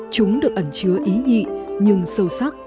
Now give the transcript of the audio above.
chúng được ẩn chứa ý nhị nhưng sâu sắc